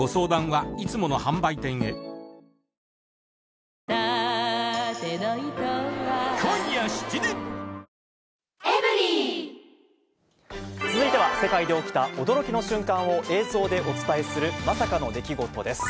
おおーーッ続いては世界で起きた驚きの瞬間を映像でお伝えするまさかの出来事です。